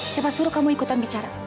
siapa suruh kamu ikutan bicara